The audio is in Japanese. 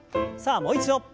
さあもう一度。